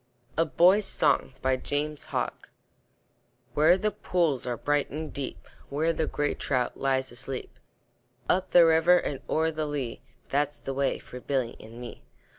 .. THOMAS HOOD A BOY'S SONG Where the pools are bright and deep, Where the gray trout lies asleep, Up the river and o'er the lea, That's the way for Billy and me.